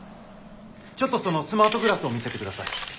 ちょっとそのスマートグラスを見せてください。